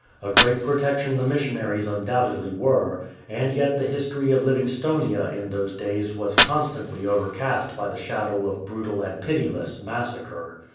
A great protection the missionaries undoubtedly were, and yet the history of Livingstonia in those days was constantly overcast by the shadow of brutal and pitiless massacre.